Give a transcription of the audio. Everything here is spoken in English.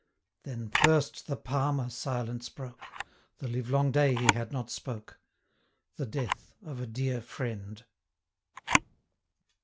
Then first the Palmer silence broke, 215 (The livelong day he had not spoke) 'The death of a dear friend.'